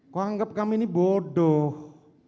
kok anggap kami ini bodoh